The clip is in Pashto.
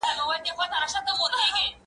زه کولای سم سبزیجات جمع کړم